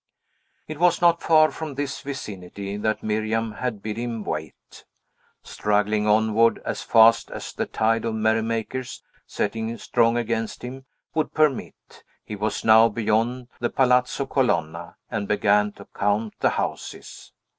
It was not far from this vicinity that Miriam had bid him wait. Struggling onward as fast as the tide of merrymakers, setting strong against him, would permit, he was now beyond the Palazzo Colonna, and began to count the houses.